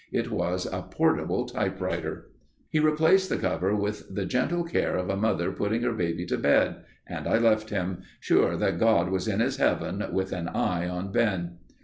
It was a portable typewriter. He replaced the cover with the gentle care of a mother putting her baby to bed and I left him, sure that God was in his heaven with an eye on Ben.